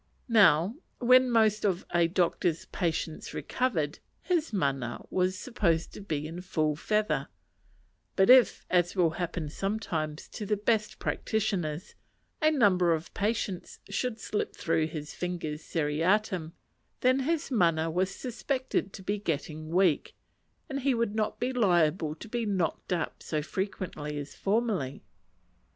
Now when most of a doctor's patients recovered, his mana was supposed to be in full feather; but if, as will happen sometimes to the best practitioners, a number of patients should slip through his fingers seriatim, then his mana was suspected to be getting weak, and he would not be liable to be "knocked up" so frequently as formerly.